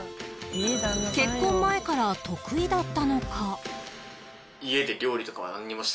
結婚前から得意だったのか？